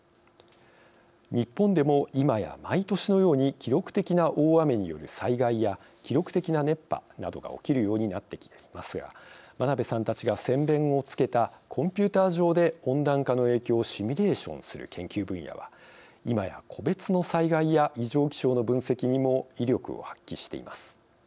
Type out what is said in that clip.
日本でも今や毎年のように記録的な大雨による災害や記録的な熱波などが起きるようになってきていますが真鍋さんたちが先べんをつけたコンピューター上で温暖化の影響をシミュレーションする研究分野は今や個別の災害や異常気象の分析にも威力を発揮しています。